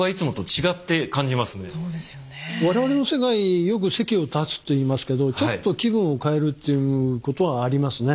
我々の世界よく席を立つといいますけどちょっと気分を変えるっていうことはありますね。